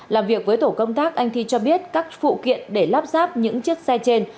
làm việc với tổ công tác anh thi cho biết các phụ kiện để lắp ráp những chiếc xe trên